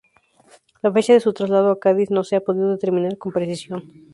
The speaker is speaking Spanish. La fecha de su traslado a Cádiz, no se ha podido determinar con precisión.